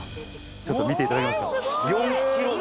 ちょっと見て頂けますか。